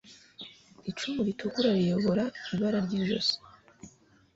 icumi ritukura riyobora ibara ryijosi